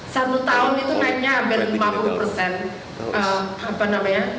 satu tahun itu naiknya hampir lima puluh persen